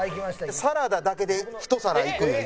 サラダだけでひと皿いくのよ